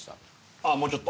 ああもうちょっと。